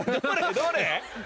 どれ？